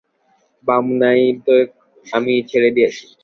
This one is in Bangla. বামনাই করা তো আমি ছেড়েই দিয়েছি।